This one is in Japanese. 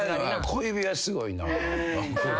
小指はすごいな。